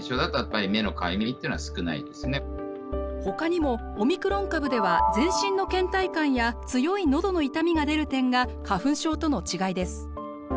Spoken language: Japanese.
ほかにもオミクロン株では全身のけん怠感や強いのどの痛みが出る点が花粉症との違いです。